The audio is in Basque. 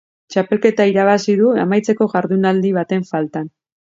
Txapelketa irabazi du amaitzeko jardunaldi baten faltan.